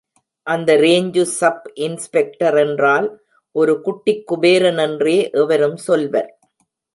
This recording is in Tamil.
அந்த ரேஞ்சு ஸப் இன்ஸ்பெக்டரென்றால் ஒரு குட்டிக் குபேரனென்றே எவரும் சொல்வர்.